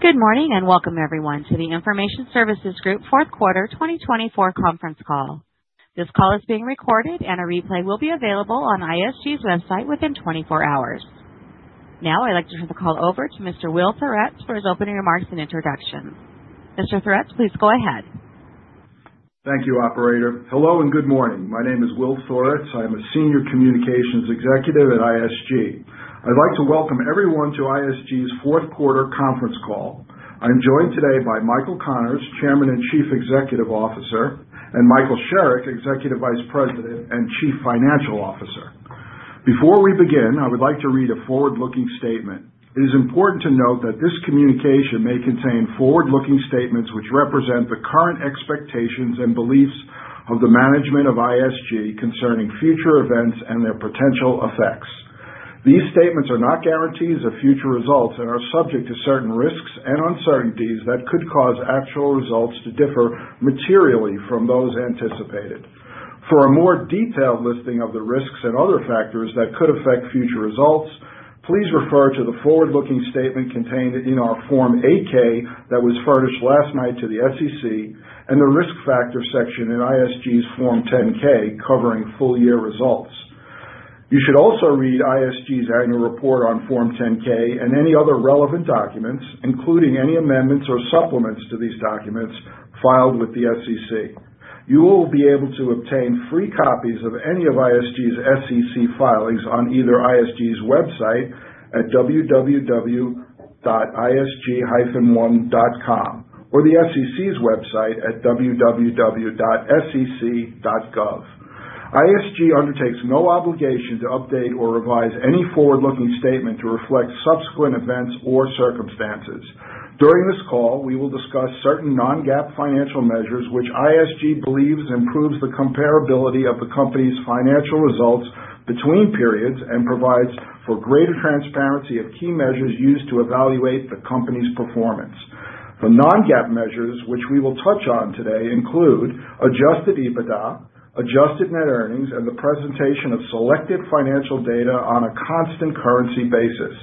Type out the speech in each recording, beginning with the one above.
Good morning and welcome, everyone, to the Information Services Group fourth quarter 2024 conference call. This call is being recorded, and a replay will be available on ISG's website within 24 hours. Now, I'd like to turn the call over to Mr. Will Thoretz for his opening remarks and introduction. Mr. Thoretz, please go ahead. Thank you, Operator. Hello and good morning. My name is Will Thoretz. I'm a Senior Communications Executive at ISG. I'd like to welcome everyone to ISG's Fourth Quarter conference call. I'm joined today by Michael Connors, Chairman and Chief Executive Officer, and Michael Sherrick, Executive Vice President and Chief Financial Officer. Before we begin, I would like to read a forward-looking statement. It is important to note that this communication may contain forward-looking statements which represent the current expectations and beliefs of the management of ISG concerning future events and their potential effects. These statements are not guarantees of future results and are subject to certain risks and uncertainties that could cause actual results to differ materially from those anticipated. For a more detailed listing of the risks and other factors that could affect future results, please refer to the forward-looking statement contained in our Form 8K that was furnished last night to the SEC and the risk factor section in ISG's Form 10-K covering full-year results. You should also read ISG's annual report on Form 10-K and any other relevant documents, including any amendments or supplements to these documents filed with the SEC. You will be able to obtain free copies of any of ISG's SEC filings on either ISG's website at www.isg-1.com or the SEC's website at www.sec.gov. ISG undertakes no obligation to update or revise any forward-looking statement to reflect subsequent events or circumstances. During this call, we will discuss certain non-GAAP financial measures which ISG believes improve the comparability of the company's financial results between periods and provide for greater transparency of key measures used to evaluate the company's performance. The non-GAAP measures which we will touch on today include adjusted EBITDA, adjusted net earnings, and the presentation of selected financial data on a constant currency basis.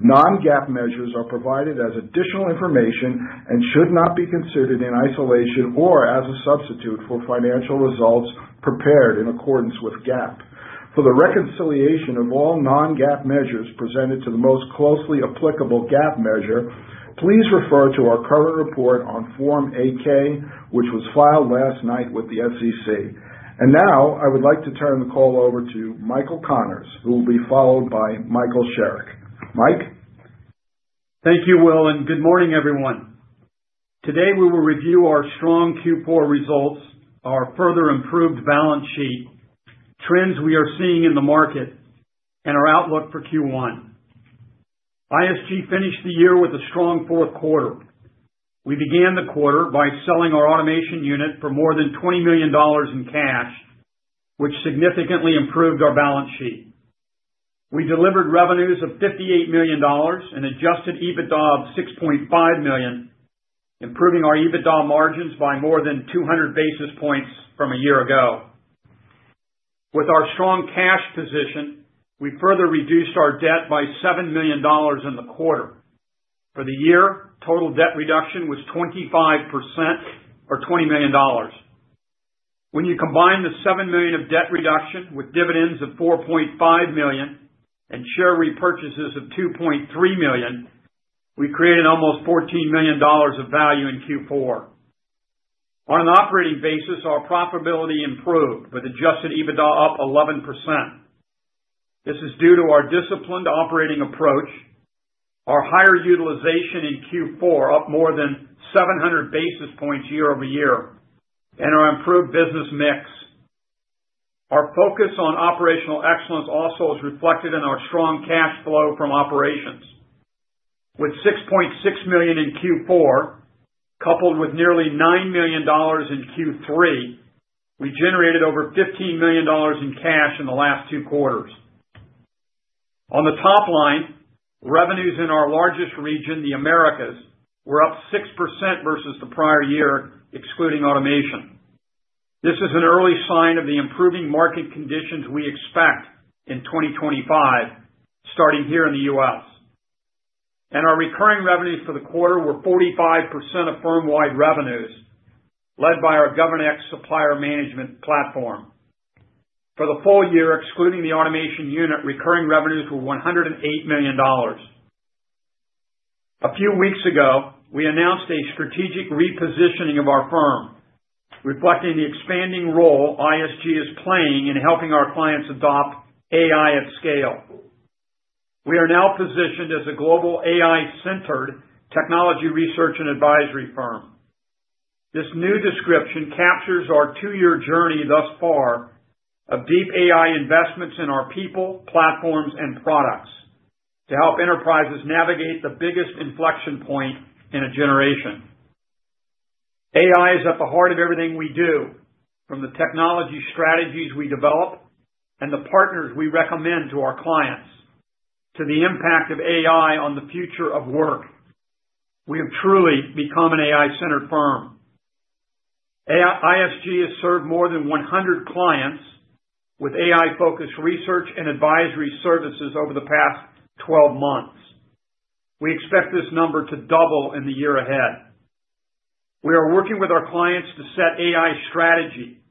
Non-GAAP measures are provided as additional information and should not be considered in isolation or as a substitute for financial results prepared in accordance with GAAP. For the reconciliation of all non-GAAP measures presented to the most closely applicable GAAP measure, please refer to our current report on Form 8-K, which was filed last night with the SEC. I would like to turn the call over to Michael Connors, who will be followed by Michael Sherrick. Mike? Thank you, Will, and good morning, everyone. Today, we will review our strong Q4 results, our further improved balance sheet, trends we are seeing in the market, and our outlook for Q1. ISG finished the year with a strong fourth quarter. We began the quarter by selling our automation unit for more than $20 million in cash, which significantly improved our balance sheet. We delivered revenues of $58 million and adjusted EBITDA of $6.5 million, improving our EBITDA margins by more than 200 basis points from a year ago. With our strong cash position, we further reduced our debt by $7 million in the quarter. For the year, total debt reduction was 25% or $20 million. When you combine the $7 million of debt reduction with dividends of $4.5 million and share repurchases of $2.3 million, we created almost $14 million of value in Q4. On an operating basis, our profitability improved with adjusted EBITDA up 11%. This is due to our disciplined operating approach, our higher utilization in Q4 up more than 700 basis points year over year, and our improved business mix. Our focus on operational excellence also is reflected in our strong cash flow from operations. With $6.6 million in Q4, coupled with nearly $9 million in Q3, we generated over $15 million in cash in the last two quarters. On the top line, revenues in our largest region, the Americas, were up 6% versus the prior year, excluding automation. This is an early sign of the improving market conditions we expect in 2025, starting here in the U.S. Our recurring revenues for the quarter were 45% of firm-wide revenues, led by our GovernX Supplier Management platform. For the full year, excluding the automation unit, recurring revenues were $108 million. A few weeks ago, we announced a strategic repositioning of our firm, reflecting the expanding role ISG is playing in helping our clients adopt AI at scale. We are now positioned as a global AI-centered technology research and advisory firm. This new description captures our two-year journey thus far of deep AI investments in our people, platforms, and products to help enterprises navigate the biggest inflection point in a generation. AI is at the heart of everything we do, from the technology strategies we develop and the partners we recommend to our clients, to the impact of AI on the future of work. We have truly become an AI-centered firm. ISG has served more than 100 clients with AI-focused research and advisory services over the past 12 months. We expect this number to double in the year ahead. We are working with our clients to set AI strategy,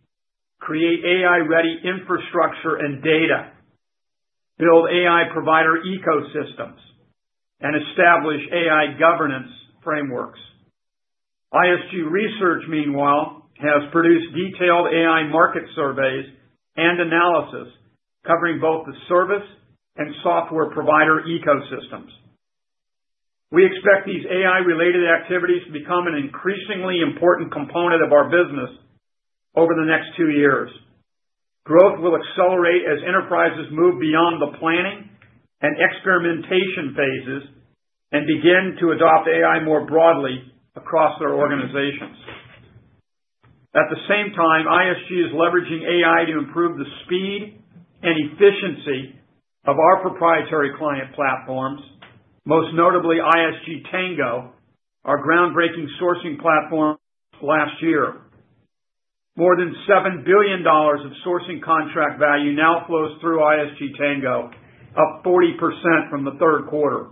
create AI-ready infrastructure and data, build AI provider ecosystems, and establish AI governance frameworks. ISG Research, meanwhile, has produced detailed AI market surveys and analysis covering both the service and software provider ecosystems. We expect these AI-related activities to become an increasingly important component of our business over the next two years. Growth will accelerate as enterprises move beyond the planning and experimentation phases and begin to adopt AI more broadly across their organizations. At the same time, ISG is leveraging AI to improve the speed and efficiency of our proprietary client platforms, most notably ISG Tango, our groundbreaking sourcing platform last year. More than $7 billion of sourcing contract value now flows through ISG Tango, up 40% from the third quarter.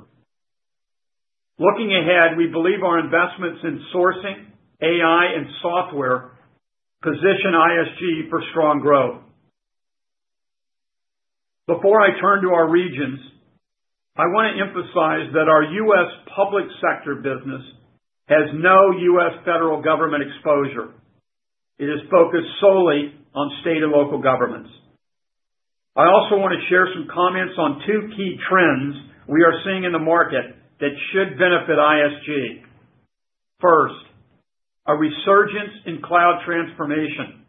Looking ahead, we believe our investments in sourcing, AI, and software position ISG for strong growth. Before I turn to our regions, I want to emphasize that our U.S. public sector business has no U.S. federal government exposure. It is focused solely on state and local governments. I also want to share some comments on two key trends we are seeing in the market that should benefit ISG. First, a resurgence in cloud transformation.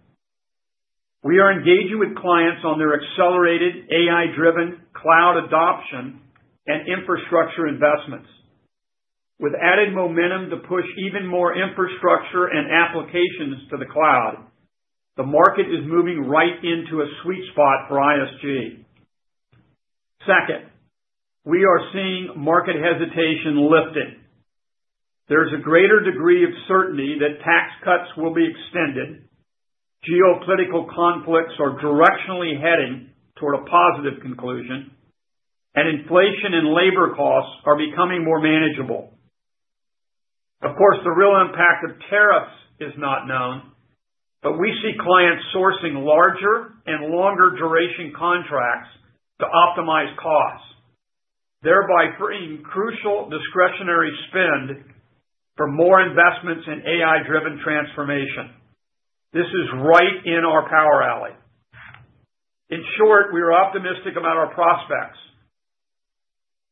We are engaging with clients on their accelerated AI-driven cloud adoption and infrastructure investments. With added momentum to push even more infrastructure and applications to the cloud, the market is moving right into a sweet spot for ISG. Second, we are seeing market hesitation lifted. There's a greater degree of certainty that tax cuts will be extended, geopolitical conflicts are directionally heading toward a positive conclusion, and inflation and labor costs are becoming more manageable. Of course, the real impact of tariffs is not known, but we see clients sourcing larger and longer-duration contracts to optimize costs, thereby freeing crucial discretionary spend for more investments in AI-driven transformation. This is right in our power alley. In short, we are optimistic about our prospects.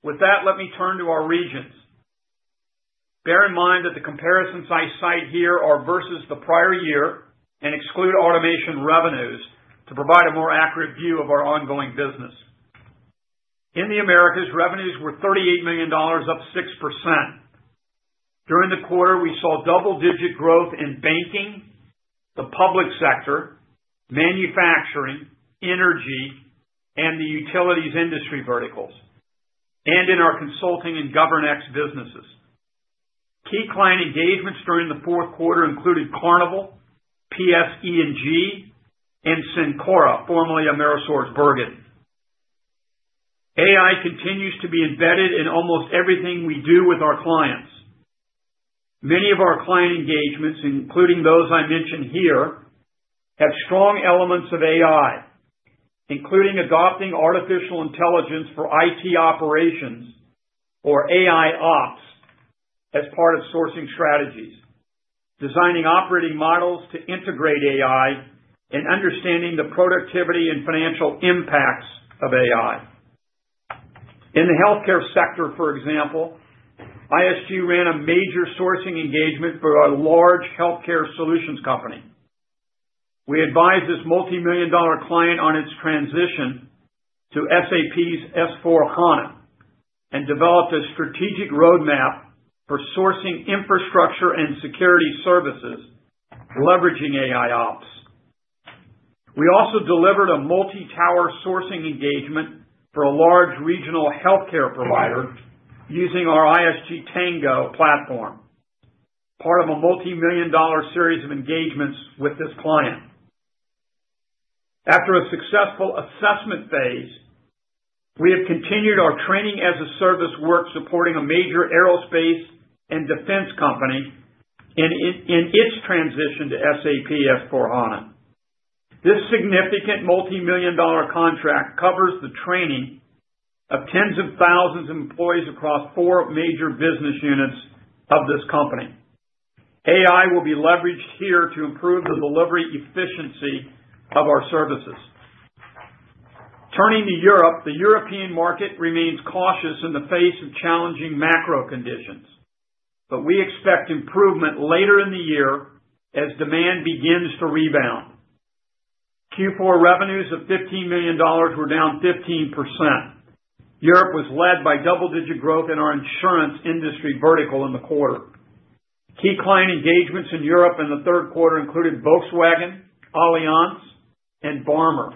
With that, let me turn to our regions. Bear in mind that the comparisons I cite here are versus the prior year and exclude automation revenues to provide a more accurate view of our ongoing business. In the Americas, revenues were $38 million, up 6%. During the quarter, we saw double-digit growth in banking, the public sector, manufacturing, energy, and the utilities industry verticals, and in our consulting and GovernX businesses. Key client engagements during the fourth quarter included Carnival, PSE&G, and Cencora, formerly AmerisourceBergen. AI continues to be embedded in almost everything we do with our clients. Many of our client engagements, including those I mentioned here, have strong elements of AI, including adopting artificial intelligence for IT operations or AIOps as part of sourcing strategies, designing operating models to integrate AI, and understanding the productivity and financial impacts of AI. In the healthcare sector, for example, ISG ran a major sourcing engagement for a large healthcare solutions company. We advised this multi-million-dollar client on its transition to SAP's S/4HANA and developed a strategic roadmap for sourcing infrastructure and security services leveraging AIOps. We also delivered a multi-tower sourcing engagement for a large regional healthcare provider using our ISG Tango platform, part of a multi-million-dollar series of engagements with this client. After a successful assessment phase, we have continued our training-as-a-service work supporting a major aerospace and defense company in its transition to SAP S/4HANA. This significant multi-million-dollar contract covers the training of tens of thousands of employees across four major business units of this company. AI will be leveraged here to improve the delivery efficiency of our services. Turning to Europe, the European market remains cautious in the face of challenging macro conditions, but we expect improvement later in the year as demand begins to rebound. Q4 revenues of $15 million were down 15%. Europe was led by double-digit growth in our insurance industry vertical in the quarter. Key client engagements in Europe in the third quarter included Volkswagen, Allianz, and Barmer.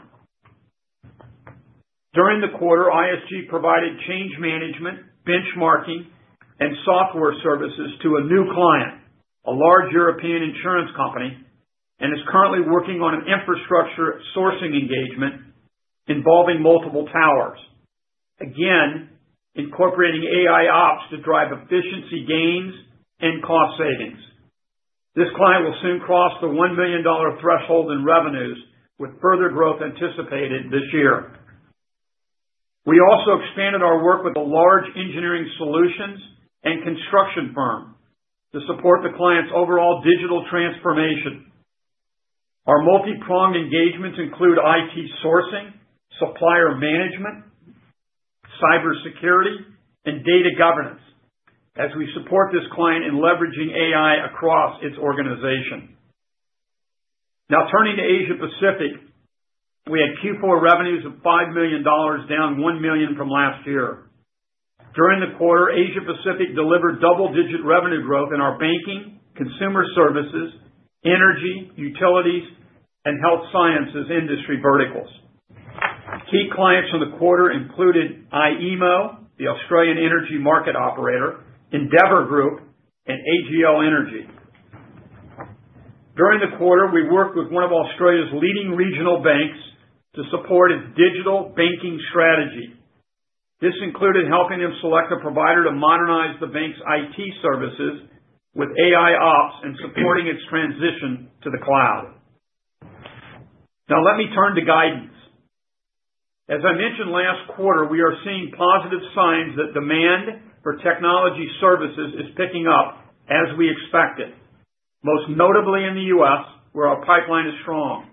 During the quarter, ISG provided change management, benchmarking, and software services to a new client, a large European insurance company, and is currently working on an infrastructure sourcing engagement involving multiple towers, again incorporating AIOps to drive efficiency gains and cost savings. This client will soon cross the $1 million threshold in revenues, with further growth anticipated this year. We also expanded our work with a large engineering solutions and construction firm to support the client's overall digital transformation. Our multi-pronged engagements include IT sourcing, supplier management, cybersecurity, and data governance as we support this client in leveraging AI across its organization. Now, turning to Asia-Pacific, we had Q4 revenues of $5 million, down $1 million from last year. During the quarter, Asia-Pacific delivered double-digit revenue growth in our banking, consumer services, energy, utilities, and health sciences industry verticals. Key clients in the quarter included AEMO, the Australian Energy Market Operator, Endeavor Group, and AGL Energy. During the quarter, we worked with one of Australia's leading regional banks to support its digital banking strategy. This included helping them select a provider to modernize the bank's IT services with AIOps and supporting its transition to the cloud. Now, let me turn to guidance. As I mentioned last quarter, we are seeing positive signs that demand for technology services is picking up as we expected, most notably in the U.S., where our pipeline is strong.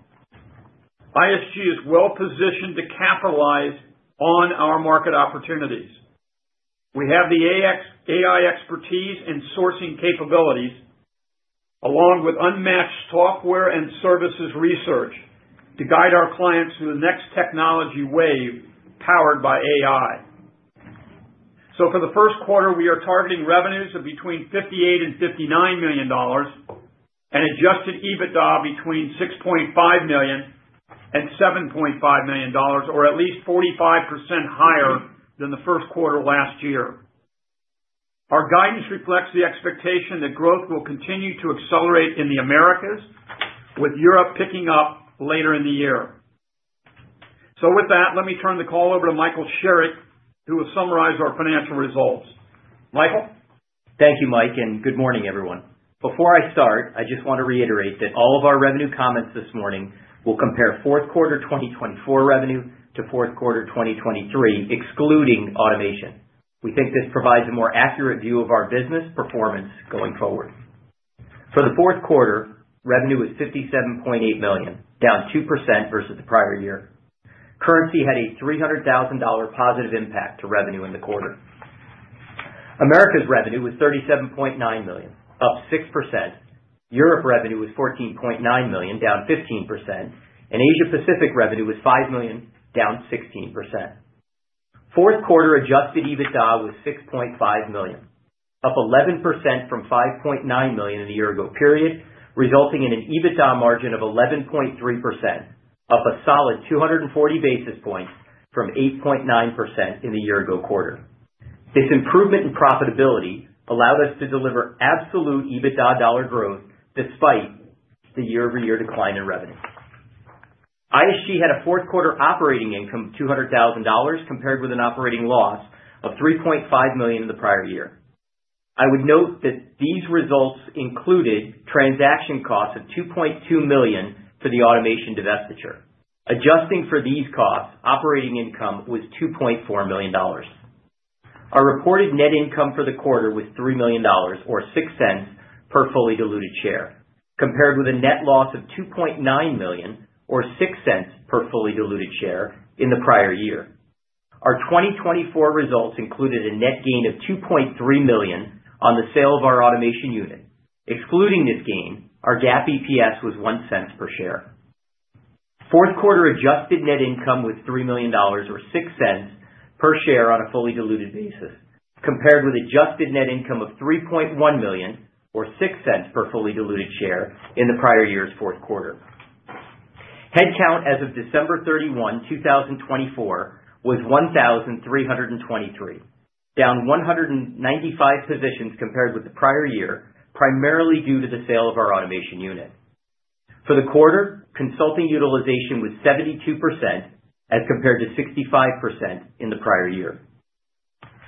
ISG is well positioned to capitalize on our market opportunities. We have the AI expertise and sourcing capabilities, along with unmatched software and services research to guide our clients through the next technology wave powered by AI. For the first quarter, we are targeting revenues of between $58 million and $59 million and adjusted EBITDA between $6.5 million and $7.5 million, or at least 45% higher than the first quarter last year. Our guidance reflects the expectation that growth will continue to accelerate in the Americas, with Europe picking up later in the year. With that, let me turn the call over to Michael Sherrick, who will summarize our financial results. Michael? Thank you, Mike, and good morning, everyone. Before I start, I just want to reiterate that all of our revenue comments this morning will compare fourth quarter 2024 revenue to fourth quarter 2023, excluding automation. We think this provides a more accurate view of our business performance going forward. For the fourth quarter, revenue was $57.8 million, down 2% versus the prior year. Currency had a $300,000 positive impact to revenue in the quarter. Americas revenue was $37.9 million, up 6%. Europe revenue was $14.9 million, down 15%, and Asia-Pacific revenue was $5 million, down 16%. Fourth quarter adjusted EBITDA was $6.5 million, up 11% from $5.9 million in the year ago period, resulting in an EBITDA margin of 11.3%, up a solid 240 basis points from 8.9% in the year ago quarter. This improvement in profitability allowed us to deliver absolute EBITDA dollar growth despite the year-over-year decline in revenue. ISG had a fourth quarter operating income of $200,000 compared with an operating loss of $3.5 million in the prior year. I would note that these results included transaction costs of $2.2 million for the automation divestiture. Adjusting for these costs, operating income was $2.4 million. Our reported net income for the quarter was $3 million, or $0.06 per fully diluted share, compared with a net loss of $2.9 million, or $0.06 per fully diluted share in the prior year. Our 2024 results included a net gain of $2.3 million on the sale of our automation unit. Excluding this gain, our GAAP EPS was $0.01 per share. Fourth quarter adjusted net income was $3 million, or $0.06 per share on a fully diluted basis, compared with adjusted net income of $3.1 million, or $0.06 per fully diluted share in the prior year's fourth quarter. Headcount as of December 31, 2024, was 1,323, down 195 positions compared with the prior year, primarily due to the sale of our automation unit. For the quarter, consulting utilization was 72% as compared to 65% in the prior year.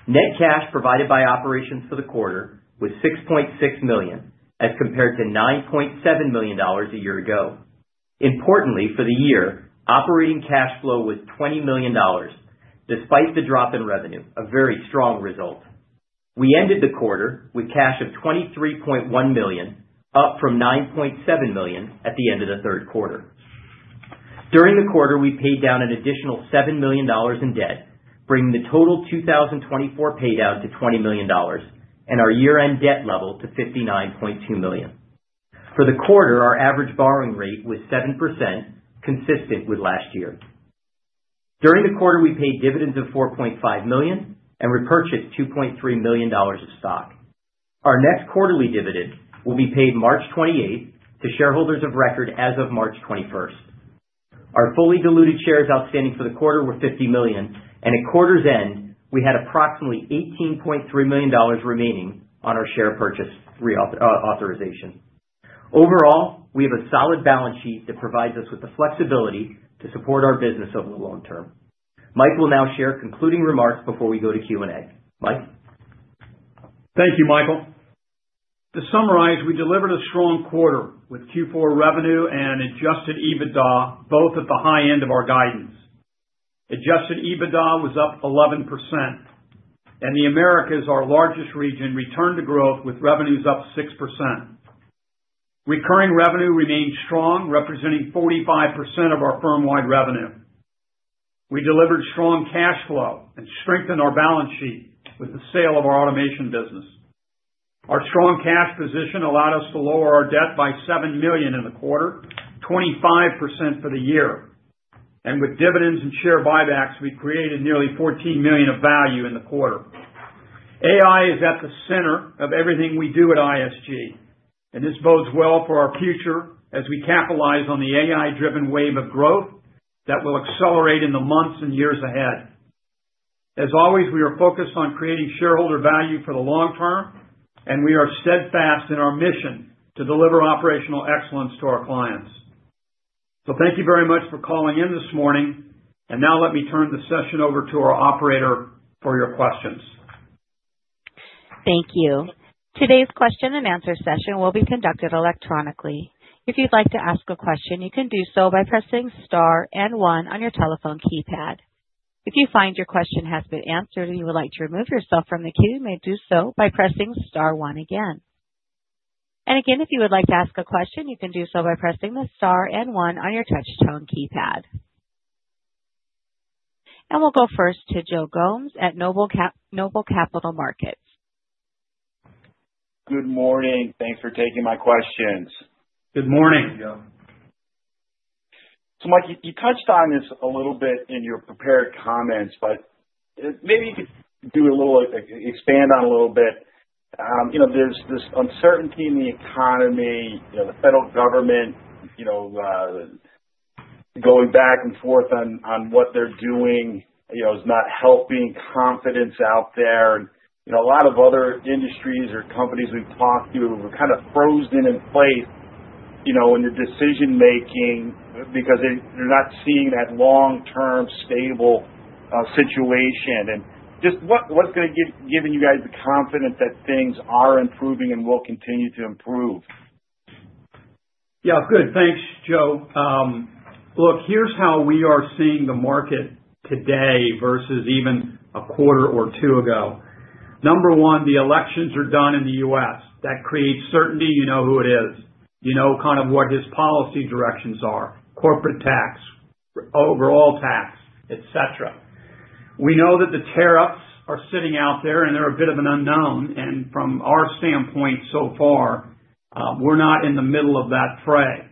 Net cash provided by operations for the quarter was $6.6 million, as compared to $9.7 million a year ago. Importantly, for the year, operating cash flow was $20 million, despite the drop in revenue, a very strong result. We ended the quarter with cash of $23.1 million, up from $9.7 million at the end of the third quarter. During the quarter, we paid down an additional $7 million in debt, bringing the total 2024 paydown to $20 million and our year-end debt level to $59.2 million. For the quarter, our average borrowing rate was 7%, consistent with last year. During the quarter, we paid dividends of $4.5 million and repurchased $2.3 million of stock. Our next quarterly dividend will be paid March 28 to shareholders of record as of March 21. Our fully diluted shares outstanding for the quarter were 50 million, and at quarter's end, we had approximately $18.3 million remaining on our share purchase authorization. Overall, we have a solid balance sheet that provides us with the flexibility to support our business over the long term. Mike will now share concluding remarks before we go to Q&A. Mike? Thank you, Michael. To summarize, we delivered a strong quarter with Q4 revenue and adjusted EBITDA both at the high end of our guidance. Adjusted EBITDA was up 11%, and the Americas, our largest region, returned to growth with revenues up 6%. Recurring revenue remained strong, representing 45% of our firm-wide revenue. We delivered strong cash flow and strengthened our balance sheet with the sale of our automation business. Our strong cash position allowed us to lower our debt by $7 million in the quarter, 25% for the year, and with dividends and share buybacks, we created nearly $14 million of value in the quarter. AI is at the center of everything we do at ISG, and this bodes well for our future as we capitalize on the AI-driven wave of growth that will accelerate in the months and years ahead. As always, we are focused on creating shareholder value for the long term, and we are steadfast in our mission to deliver operational excellence to our clients. Thank you very much for calling in this morning, and now let me turn the session over to our operator for your questions. Thank you. Today's question and answer session will be conducted electronically. If you'd like to ask a question, you can do so by pressing star and one on your telephone keypad. If you find your question has been answered and you would like to remove yourself from the queue, you may do so by pressing star one again. If you would like to ask a question, you can do so by pressing the star and one on your touch-tone keypad. We'll go first to Joe Gomes at Noble Capital Markets. Good morning. Thanks for taking my questions. Good morning, Joe. Mike, you touched on this a little bit in your prepared comments, but maybe you could expand on it a little bit. There's this uncertainty in the economy. The federal government, going back and forth on what they're doing, is not helping confidence out there. A lot of other industries or companies we've talked to were kind of frozen in place in their decision-making because they're not seeing that long-term stable situation. What is going to give you guys the confidence that things are improving and will continue to improve? Yeah, good. Thanks, Joe. Look, here's how we are seeing the market today versus even a quarter or two ago. Number one, the elections are done in the U.S. That creates certainty. You know who it is. You know kind of what his policy directions are: corporate tax, overall tax, etc. We know that the tariffs are sitting out there, and they're a bit of an unknown. From our standpoint so far, we're not in the middle of that fray.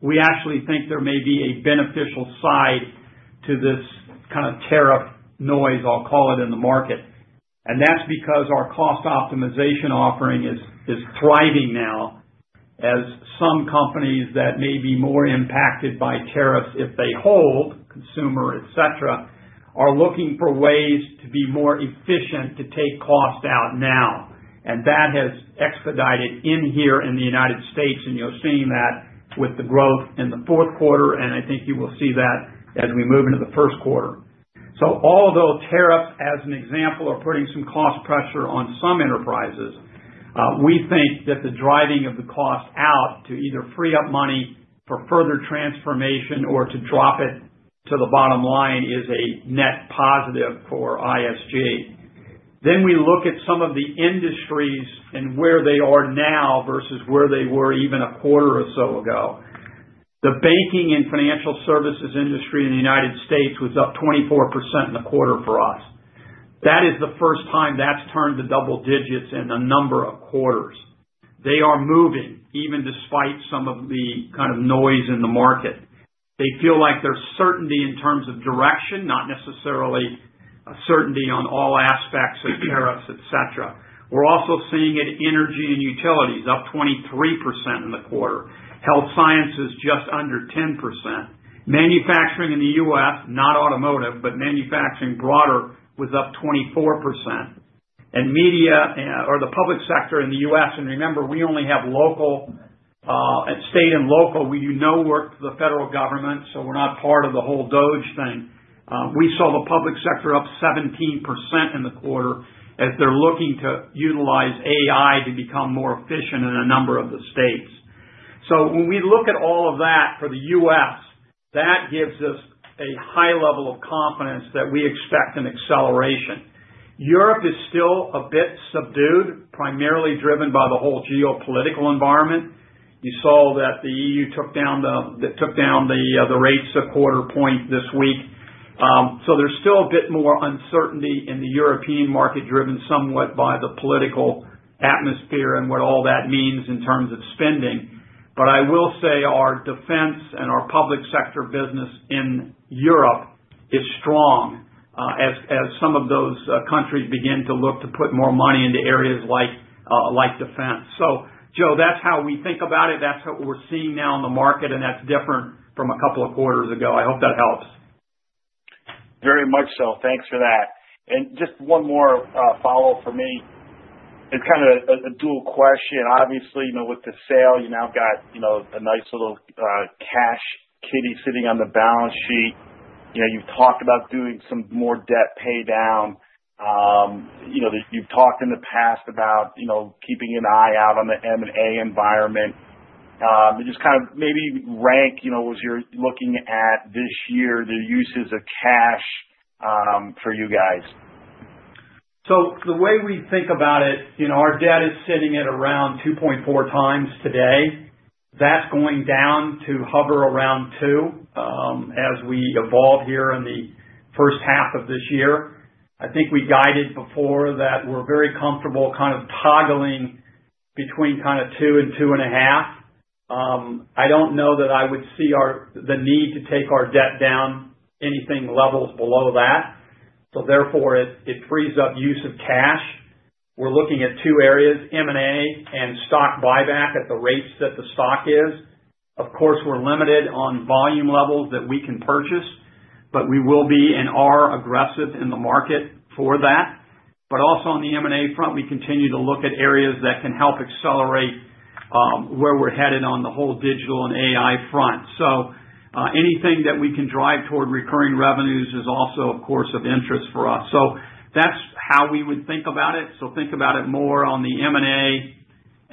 We actually think there may be a beneficial side to this kind of tariff noise, I'll call it, in the market. That's because our cost optimization offering is thriving now, as some companies that may be more impacted by tariffs if they hold, consumer, etc., are looking for ways to be more efficient to take cost out now. That has expedited here in the United States, and you're seeing that with the growth in the fourth quarter. I think you will see that as we move into the first quarter. Although tariffs, as an example, are putting some cost pressure on some enterprises, we think that the driving of the cost out to either free up money for further transformation or to drop it to the bottom line is a net positive for ISG. We look at some of the industries and where they are now versus where they were even a quarter or so ago. The banking and financial services industry in the United States was up 24% in the quarter for us. That is the first time that's turned to double digits in a number of quarters. They are moving, even despite some of the kind of noise in the market. They feel like there's certainty in terms of direction, not necessarily a certainty on all aspects of tariffs, etc. We're also seeing it in energy and utilities, up 23% in the quarter. Health sciences just under 10%. Manufacturing in the U.S., not automotive, but manufacturing broader was up 24%. Media or the public sector in the U.S., and remember, we only have state and local. We do no work for the federal government, so we're not part of the whole DOGE thing. We saw the public sector up 17% in the quarter as they're looking to utilize AI to become more efficient in a number of the states. When we look at all of that for the U.S., that gives us a high level of confidence that we expect an acceleration. Europe is still a bit subdued, primarily driven by the whole geopolitical environment. You saw that the EU took down the rates a quarter point this week. There is still a bit more uncertainty in the European market, driven somewhat by the political atmosphere and what all that means in terms of spending. I will say our defense and our public sector business in Europe is strong as some of those countries begin to look to put more money into areas like defense. Joe, that's how we think about it. That's what we're seeing now in the market, and that's different from a couple of quarters ago. I hope that helps. Very much so. Thanks for that. Just one more follow-up for me. It's kind of a dual question. Obviously, with the sale, you now got a nice little cash kitty sitting on the balance sheet. You've talked about doing some more debt paydown. You've talked in the past about keeping an eye out on the M&A environment. Just kind of maybe rank, as you're looking at this year, the uses of cash for you guys. The way we think about it, our debt is sitting at around 2.4x today. That's going down to hover around 2 as we evolve here in the first half of this year. I think we guided before that we're very comfortable kind of toggling between kind of 2 and 2.5. I don't know that I would see the need to take our debt down anything levels below that. Therefore, it frees up use of cash. We're looking at two areas: M&A and stock buyback at the rates that the stock is. Of course, we're limited on volume levels that we can purchase, but we will be and are aggressive in the market for that. But also on the M&A front, we continue to look at areas that can help accelerate where we're headed on the whole digital and AI front. Anything that we can drive toward recurring revenues is also, of course, of interest for us. That's how we would think about it. Think about it more on the M&A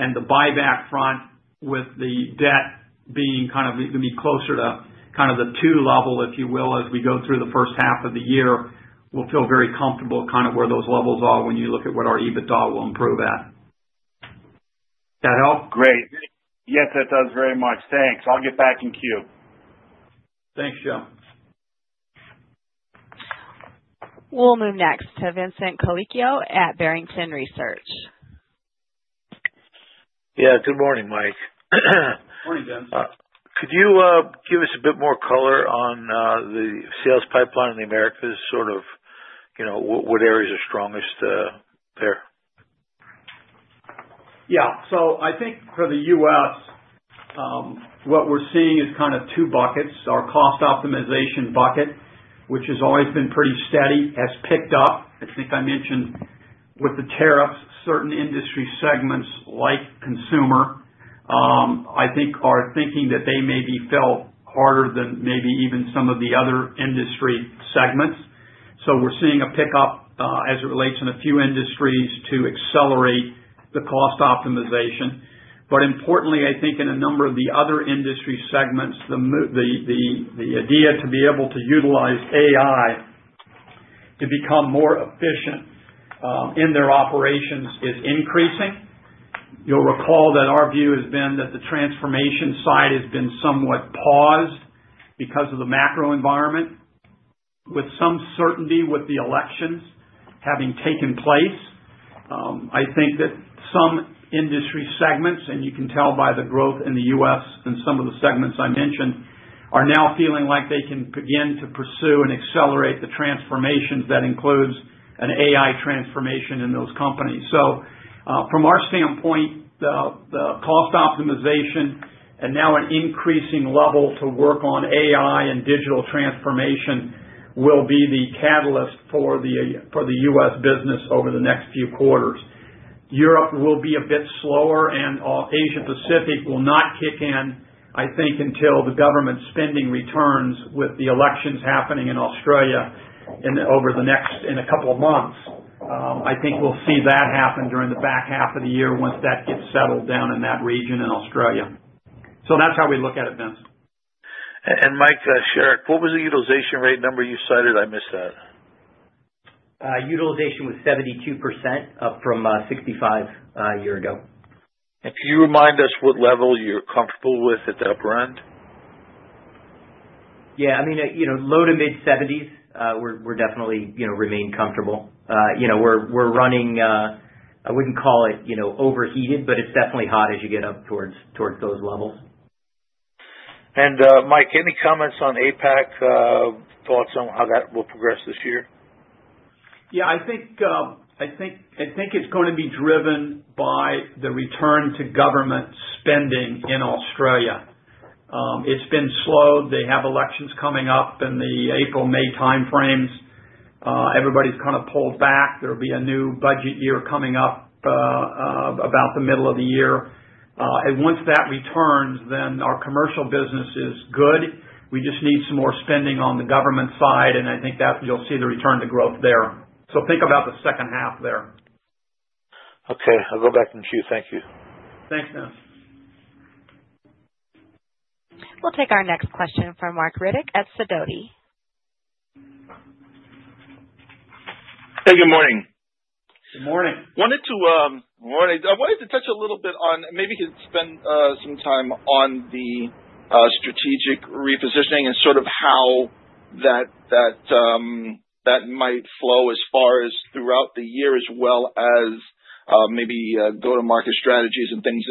and the buyback front, with the debt being kind of going to be closer to kind of the 2 level, if you will, as we go through the first half of the year. We'll feel very comfortable kind of where those levels are when you look at what our EBITDA will improve at. That help? Great. Yes, it does very much. Thanks. I'll get back in queue. Thanks, Joe. We'll move next to Vincent Colicchio at Barrington Research. Yeah, good morning, Mike. Morning, Vincent. Could you give us a bit more color on the sales pipeline in the Americas, sort of what areas are strongest there? Yeah. I think for the U.S., what we're seeing is kind of two buckets: our cost optimization bucket, which has always been pretty steady, has picked up. I think I mentioned with the tariffs, certain industry segments, like consumer, I think are thinking that they may be felt harder than maybe even some of the other industry segments. We're seeing a pickup as it relates in a few industries to accelerate the cost optimization. Importantly, I think in a number of the other industry segments, the idea to be able to utilize AI to become more efficient in their operations is increasing. You'll recall that our view has been that the transformation side has been somewhat paused because of the macro environment. With some certainty with the elections having taken place, I think that some industry segments, and you can tell by the growth in the U.S. and some of the segments I mentioned, are now feeling like they can begin to pursue and accelerate the transformations that includes an AI transformation in those companies. From our standpoint, the cost optimization and now an increasing level to work on AI and digital transformation will be the catalyst for the U.S. business over the next few quarters. Europe will be a bit slower, and Asia-Pacific will not kick in, I think, until the government spending returns with the elections happening in Australia over the next couple of months. I think we'll see that happen during the back half of the year once that gets settled down in that region in Australia. That's how we look at it, Vincent. Mike Sherrick, what was the utilization rate number you cited? I missed that. Utilization was 72% up from 65% a year ago. Can you remind us what level you're comfortable with at the upper end? Yeah. I mean, low to mid-70s, we're definitely remaining comfortable. We're running, I wouldn't call it overheated, but it's definitely hot as you get up towards those levels. Mike, any comments on APAC, thoughts on how that will progress this year? Yeah. I think it's going to be driven by the return to government spending in Australia. It's been slow. They have elections coming up in the April, May timeframes. Everybody's kind of pulled back. There'll be a new budget year coming up about the middle of the year. Once that returns, then our commercial business is good. We just need some more spending on the government side, and I think you'll see the return to growth there. Think about the second half there. Okay. I'll go back in queue. Thank you. Thanks, Vincent. We'll take our next question from Marc Riddick at Sidoti. Hey, good morning. Good morning. Wanted to touch a little bit on maybe you can spend some time on the strategic repositioning and sort of how that might flow as far as throughout the year as well as maybe go-to-market strategies and things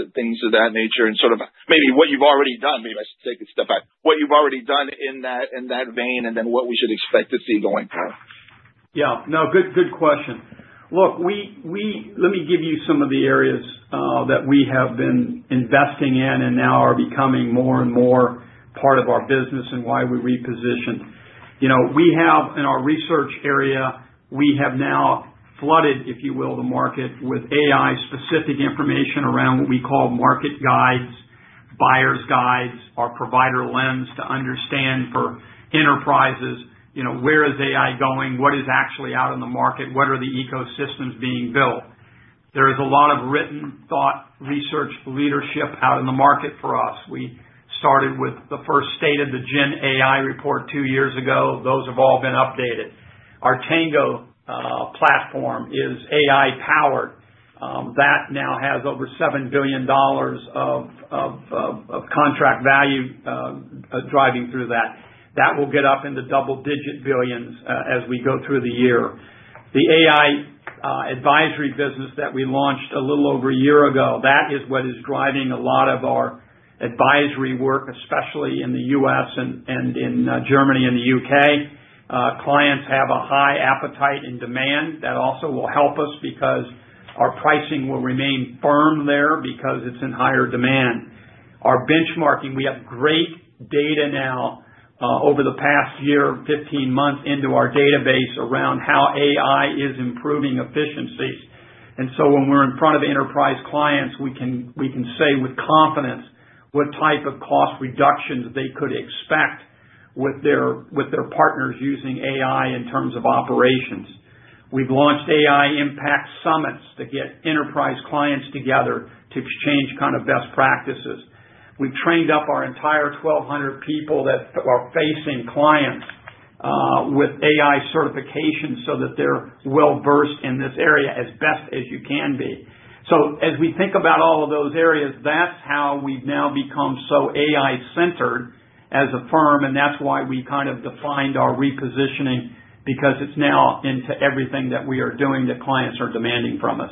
of that nature and sort of maybe what you've already done. Maybe I should take a step back. What you've already done in that vein and then what we should expect to see going forward. Yeah. No, good question. Look, let me give you some of the areas that we have been investing in and now are becoming more and more part of our business and why we reposition. In our research area, we have now flooded, if you will, the market with AI-specific information around what we call market guides, buyer's guides, our provider lens to understand for enterprises where is AI going, what is actually out in the market, what are the ecosystems being built. There is a lot of written thought, research, leadership out in the market for us. We started with the first state of the Gen AI report two years ago. Those have all been updated. Our Tango platform is AI-powered. That now has over $7 billion of contract value driving through that. That will get up into double-digit billions as we go through the year. The AI advisory business that we launched a little over a year ago, that is what is driving a lot of our advisory work, especially in the U.S. and in Germany and the U.K. Clients have a high appetite and demand. That also will help us because our pricing will remain firm there because it's in higher demand. Our benchmarking, we have great data now over the past year, 15 months into our database around how AI is improving efficiencies. And so, when we're in front of enterprise clients, we can say with confidence what type of cost reductions they could expect with their partners using AI in terms of operations. We've launched AI Impact Summits to get enterprise clients together to exchange kind of best practices. We've trained up our entire 1,200 people that are facing clients with AI certification so that they're well-versed in this area as best as you can be. As we think about all of those areas, that's how we've now become so AI-centered as a firm, and that's why we kind of defined our repositioning because it's now into everything that we are doing that clients are demanding from us.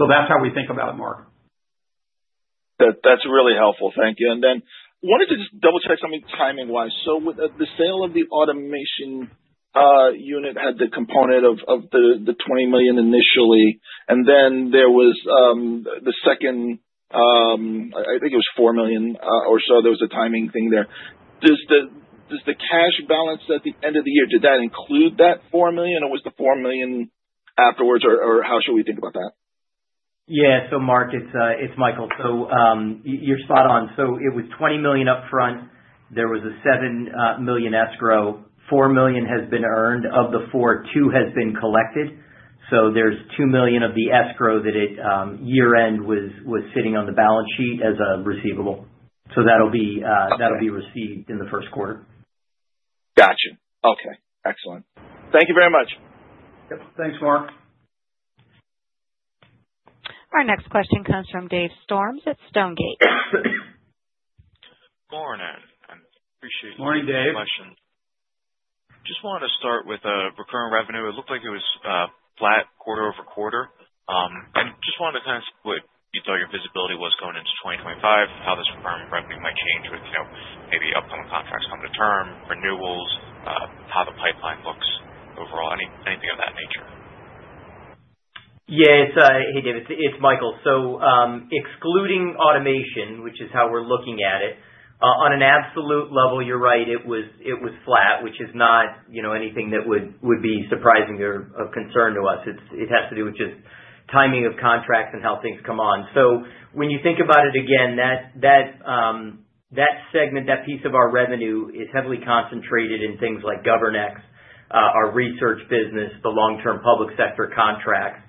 That's how we think about it, Marc. That's really helpful. Thank you. I wanted to just double-check something timing-wise. With the sale of the automation unit, had the component of the $20 million initially, and then there was the second, I think it was $4 million or so. There was a timing thing there. Does the cash balance at the end of the year, did that include that $4 million, or was the $4 million afterwards, or how should we think about that? Yeah. So, mark, it's Michael. So, you're spot on. It was $20 million upfront. There was a $7 million escrow. $4 million has been earned of the $4 million. $2 million has been collected. So, there's $2 million of the escrow that year-end was sitting on the balance sheet as a receivable. That'll be received in the first quarter. Gotcha. Okay. Excellent. Thank you very much. Yep. Thanks, Marc. Our next question comes from Dave Storms at Stonegate. Good morning. I appreciate your question. Good morning, Dave. Just wanted to start with recurring revenue. It looked like it was flat quarter over quarter. Just wanted to kind of see what you thought your visibility was going into 2025, how this recurring revenue might change with maybe upcoming contracts coming to term, renewals, how the pipeline looks overall, anything of that nature. Yeah. Hey Dave, it's Michael. Excluding automation, which is how we're looking at it, on an absolute level, you're right, it was flat, which is not anything that would be surprising or of concern to us. It has to do with just timing of contracts and how things come on. When you think about it again, that segment, that piece of our revenue is heavily concentrated in things like GovernX, our research business, the long-term public sector contracts.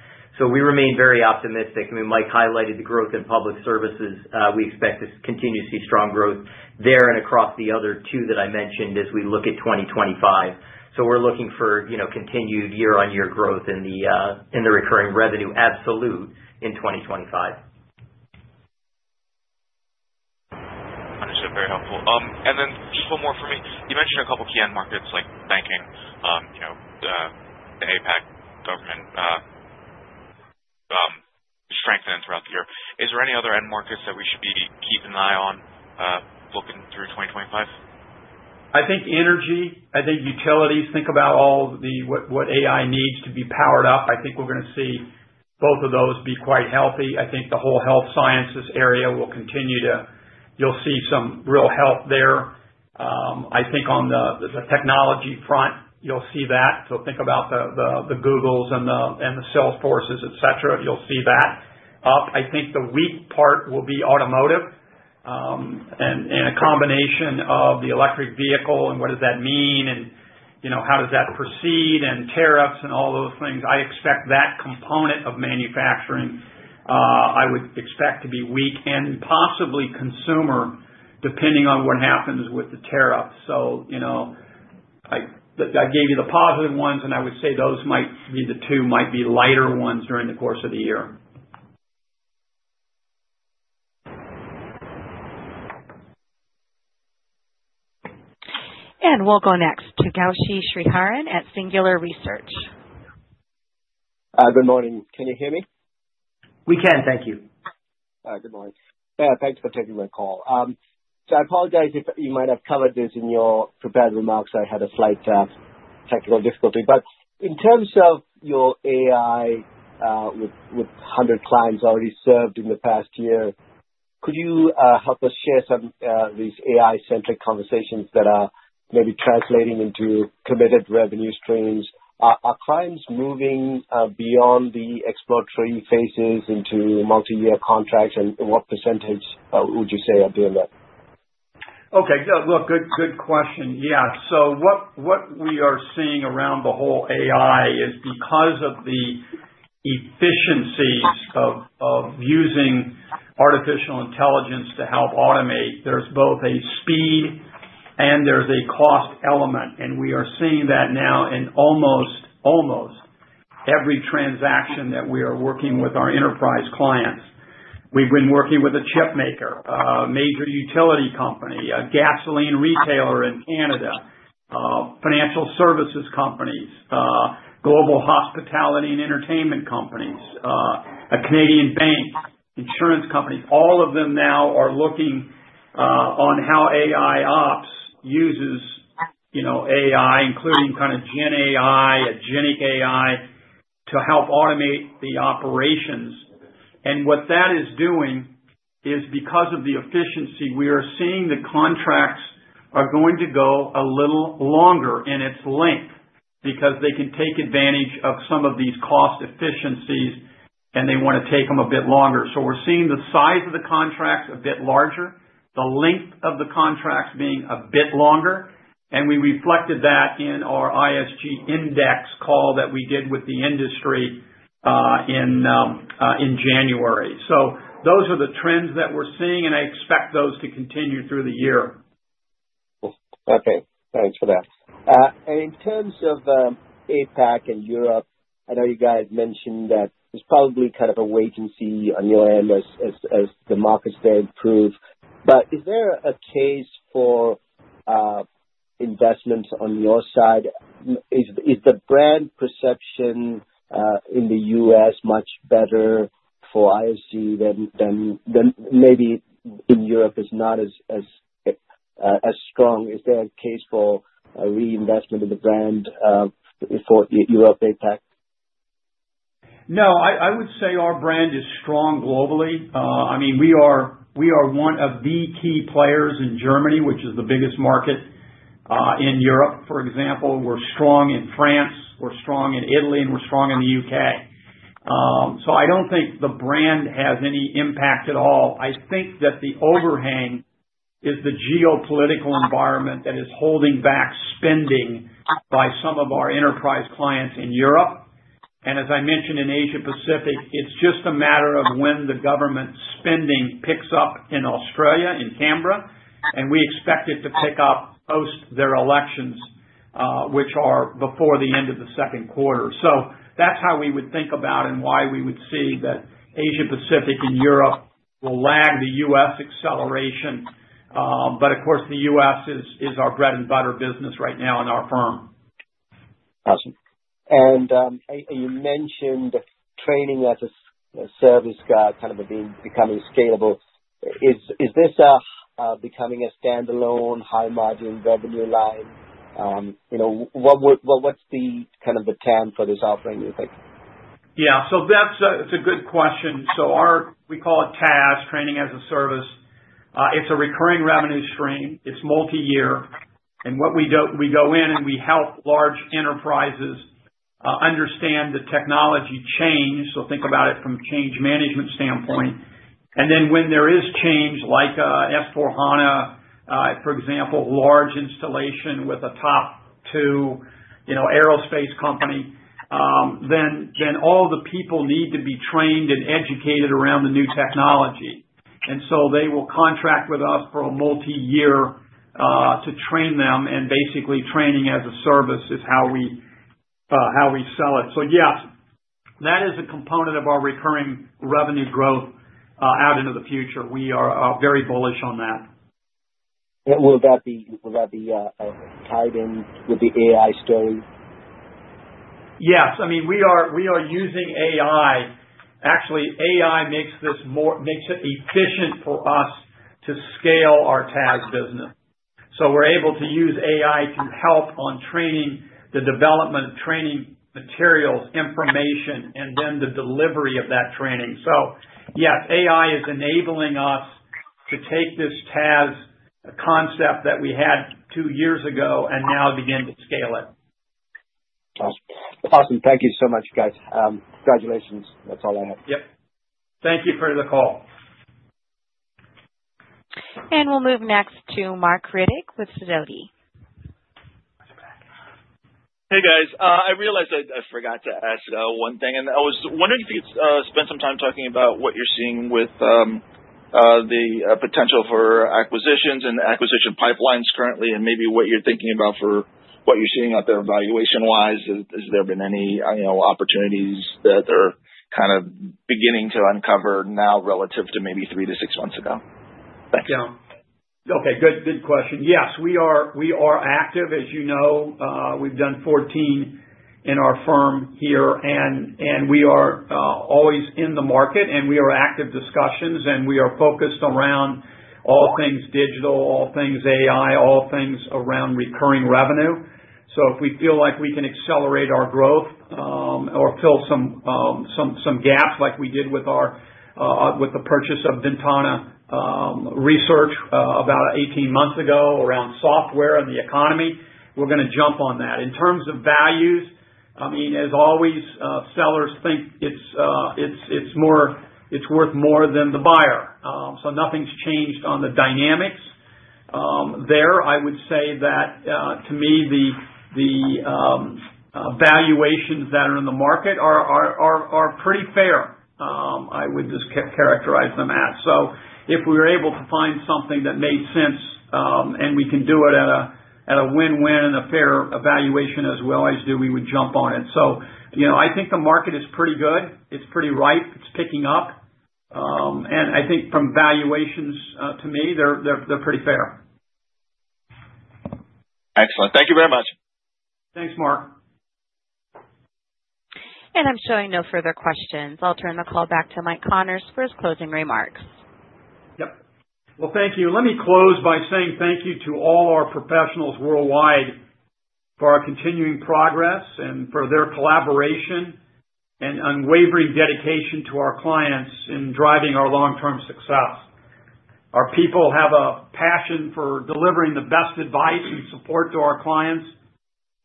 We remain very optimistic. I mean, Mike highlighted the growth in public services. We expect to continue to see strong growth there and across the other two that I mentioned as we look at 2025. We are looking for continued year-on-year growth in the recurring revenue absolute in 2025. Understood. Very helpful. Then just one more for me. You mentioned a couple key end markets like banking, the APAC, government strengthening throughout the year. Is there any other end markets that we should be keeping an eye on looking through 2025? I think energy. I think utilities. Think about all what AI needs to be powered up. I think we are going to see both of those be quite healthy. I think the whole health sciences area will continue to—you will see some real health there. I think on the technology front, you will see that. Think about the Googles and the Salesforces, etc. You will see that up. I think the weak part will be automotive and a combination of the electric vehicle and what does that mean and how does that proceed and tariffs and all those things. I expect that component of manufacturing I would expect to be weak and possibly consumer depending on what happens with the tariffs. I gave you the positive ones, and I would say those might be the two might be lighter ones during the course of the year. We'll go next to Gowshihan Sriharan at Singular Research. Good morning. Can you hear me? We can. Thank you. Good morning. Thanks for taking my call. I apologize if you might have covered this in your prepared remarks. I had a slight technical difficulty. In terms of your AI with 100 clients already served in the past year, could you help us share some of these AI-centric conversations that are maybe translating into committed revenue streams? Are clients moving beyond the exploratory phases into multi-year contracts, and what percentage would you say are doing that? Okay. Good question. What we are seeing around the whole AI is because of the efficiencies of using artificial intelligence to help automate, there is both a speed and there is a cost element. We are seeing that now in almost every transaction that we are working with our enterprise clients. We have been working with a chip maker, a major utility company, a gasoline retailer in Canada, financial services companies, global hospitality and entertainment companies, a Canadian bank, insurance companies. All of them now are looking on how AIOps uses AI, including kind of Gen AI, Agentic AI, to help automate the operations. What that is doing is because of the efficiency, we are seeing the contracts are going to go a little longer in its length because they can take advantage of some of these cost efficiencies, and they want to take them a bit longer. We are seeing the size of the contracts a bit larger, the length of the contracts being a bit longer. We reflected that in our ISG Index call that we did with the industry in January. Those are the trends that we are seeing, and I expect those to continue through the year. Okay. Thanks for that. In terms of APAC and Europe, I know you guys mentioned that there's probably kind of a wait and see on your end as the markets there improve. Is there a case for investments on your side? Is the brand perception in the U.S. much better for ISG than maybe in Europe is not as strong? Is there a case for reinvestment in the brand for Europe APAC? No, I would say our brand is strong globally. I mean, we are one of the key players in Germany, which is the biggest market in Europe, for example. We're strong in France. We're strong in Italy, and we're strong in the U.K. I don't think the brand has any impact at all. I think that the overhang is the geopolitical environment that is holding back spending by some of our enterprise clients in Europe. As I mentioned in Asia-Pacific, it's just a matter of when the government spending picks up in Australia, in Canberra, and we expect it to pick up post their elections, which are before the end of the second quarter. That is how we would think about and why we would see that Asia-Pacific and Europe will lag the U.S. acceleration. Of course, the U.S. is our bread and butter business right now in our firm. Awesome. You mentioned training as a service kind of becoming scalable. Is this becoming a standalone high-margin revenue line? What is the kind of the TAM for this offering, do you think? Yeah. That is a good question. We call it CAS, training as a service. It's a recurring revenue stream. It's multi-year. What we do, we go in and we help large enterprises understand the technology change. Think about it from a change management standpoint. When there is change, like S/4HANA, for example, large installation with a top two aerospace company, all the people need to be trained and educated around the new technology. They will contract with us for a multi-year to train them. Basically, training as a service is how we sell it. Yes, that is a component of our recurring revenue growth out into the future. We are very bullish on that. Will that be tied in with the AI story? Yes. I mean, we are using AI. Actually, AI makes it efficient for us to scale our TaaS business. We are able to use AI to help on training, the development of training materials, information, and the delivery of that training. Yes, AI is enabling us to take this TaaS concept that we had two years ago and now begin to scale it. Awesome. Thank you so much, guys. Congratulations. That's all I have. Yep. Thank you for the call. We'll move next to Marc Riddick with Sidoti. Hey, guys. I realized I forgot to ask one thing. I was wondering if you could spend some time talking about what you're seeing with the potential for acquisitions and acquisition pipelines currently and maybe what you're thinking about for what you're seeing out there evaluation-wise. Has there been any opportunities that they're kind of beginning to uncover now relative to maybe three to six months ago? Thanks. Yeah. Good question. Yes, we are active, as you know. We've done 14 in our firm here, and we are always in the market, and we are active discussions, and we are focused around all things digital, all things AI, all things around recurring revenue. If we feel like we can accelerate our growth or fill some gaps like we did with the purchase of Ventana Research about 18 months ago around software and the economy, we're going to jump on that. In terms of values, I mean, as always, sellers think it's worth more than the buyer. Nothing's changed on the dynamics there. I would say that to me, the valuations that are in the market are pretty fair. I would just characterize them as. If we were able to find something that made sense and we can do it at a win-win and a fair evaluation as well as you do, we would jump on it. I think the market is pretty good. It's pretty ripe. It's picking up. I think from valuations, to me, they're pretty fair. Excellent. Thank you very much. Thanks, Marc. I'm showing no further questions. I'll turn the call back to Mike Connors for his closing remarks. Yep. Thank you. Let me close by saying thank you to all our professionals worldwide for our continuing progress and for their collaboration and unwavering dedication to our clients in driving our long-term success. Our people have a passion for delivering the best advice and support to our clients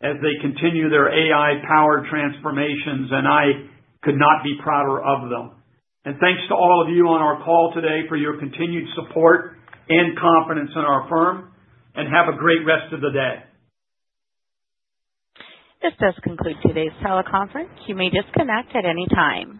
as they continue their AI-powered transformations, and I could not be prouder of them. Thank you to all of you on our call today for your continued support and confidence in our firm, and have a great rest of the day. This does conclude today's teleconference. You may disconnect at any time.